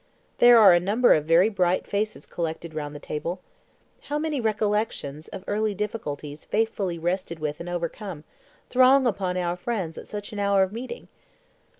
There are a number of very bright faces collected round the table. How many recollections of early difficulties faithfully wrestled with and overcome, throng upon our friends at such an hour of meeting!